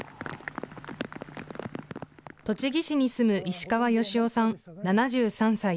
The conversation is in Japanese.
栃木市に住む石川義夫さん、７３歳。